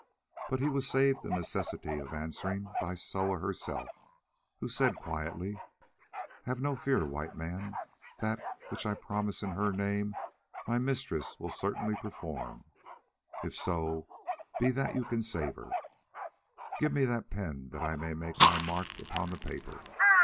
But he was saved the necessity of answering by Soa herself, who said quietly, "Have no fear, White Man; that which I promise in her name, my mistress will certainly perform, if so be that you can save her. Give me the pen that I may make my mark upon the paper.